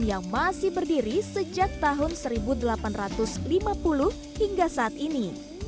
yang masih berdiri sejak tahun seribu delapan ratus lima puluh hingga saat ini